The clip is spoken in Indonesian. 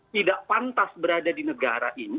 tidak pantas berada di negara ini